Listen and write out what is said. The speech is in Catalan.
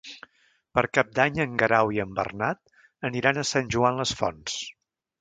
Per Cap d'Any en Guerau i en Bernat aniran a Sant Joan les Fonts.